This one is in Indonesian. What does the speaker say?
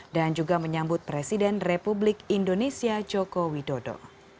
dan juga menyambut presiden republik indonesia joko widodo